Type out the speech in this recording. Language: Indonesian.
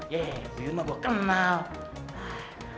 yee si uyun mah gua kenal